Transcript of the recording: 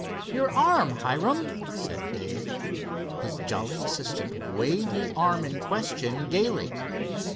Your arm, Hiram?" said Dave. His jolly assistant waved the arm in question gaily.